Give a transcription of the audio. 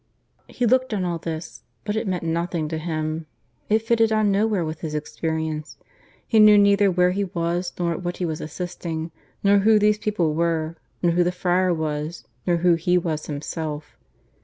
He looked on all this, but it meant nothing to him. It fitted on nowhere with his experience; he knew neither where he was, nor at what he was assisting, nor who these people were, nor who the friar was, nor who he was himself.